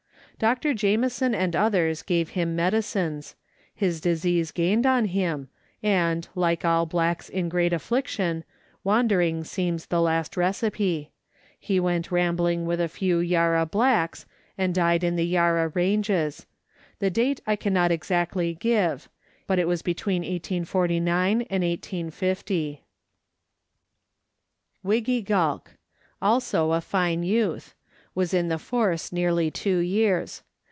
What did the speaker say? Dr. Jamieson and others gave him medicines; his disease gained on him, and, like all blacks in great affliction, wandering seems the last recipe; he went rambling with a few Yarra blacks, and died in the Yarra Ranges ; the date I cannot exactly give, but it was between 1849 and 1850. Wideculk (Wi gee gulK). Also a fine youth; was in the force nearly two years.